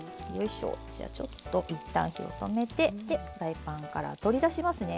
じゃちょっと一旦火を止めてフライパンから取り出しますね。